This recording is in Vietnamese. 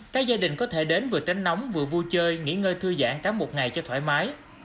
các gia đình có thể đến vừa tránh nóng vừa vui chơi nghỉ ngơi thư giãn cả một ngày cho thoải mái